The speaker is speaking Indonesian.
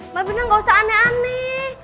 mbak mirna gak usah aneh aneh